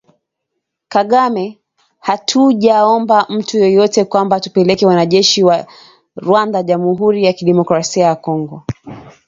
Kagame: Hatujaomba mtu yeyote kwamba tupeleke wanajeshi wa Rwanda Jamuhuri ya Kidemokrasia ya Kongo